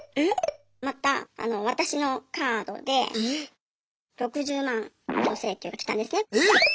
また私のカードで６０万の請求が来たんですね。